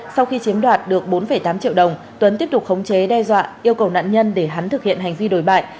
sau khi chiếm đoạt được bốn tám triệu đồng tuấn tiếp tục khống chế đe dọa yêu cầu nạn nhân để hắn thực hiện hành vi đổi bại